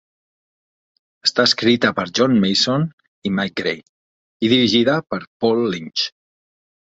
Està escrita per John Mason i Mike Gray, i dirigida per Paul Lynch.